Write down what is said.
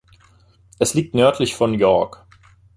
Es liegt nördlich von York.